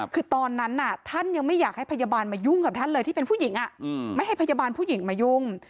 คือตอนนั้นท่านยังไม่อยากให้พยาบาลมายุ่งกับท่านเลยที่เป็นผู้หญิงไม่ให้พยาบาลผู้หญิงมายุ่ง